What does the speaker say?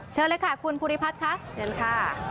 เชิญเลยค่ะคุณภูริพัฒน์ค่ะเชิญค่ะ